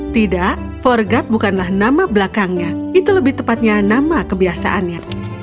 tidak forgat bukanlah nama belakangnya itu lebih tepatnya nama kebiasaannya